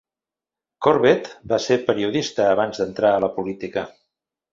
Corbett va ser periodista abans de entrar a la política.